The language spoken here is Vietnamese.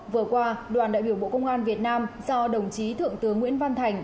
vừa qua đoàn đại biểu bộ công an việt nam do đồng chí thượng tướng nguyễn văn thành